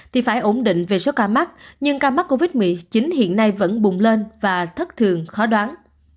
thì phải ổn định về số ca mắc nhưng ca mắc covid một mươi chín hiện nay vẫn bùng lên và thất thường khó đoán